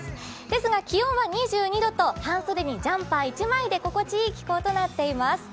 ですが気温は２２度と、半袖にジャンパーで心地いい気温となっています。